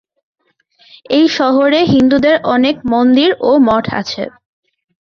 এই শহরে হিন্দুদের অনেক মন্দির ও মঠ আছে।